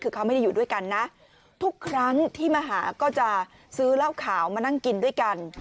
คือเขาไม่ได้อยู่ด้วยกันนะทุกครั้งที่มาหาก็จะซื้อเหล้าขาวมานั่งกินด้วยกัน